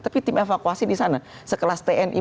tapi tim evakuasi di sana sekelas tni